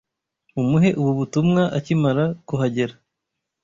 Mumuhe ubu butumwa akimara kuhagera.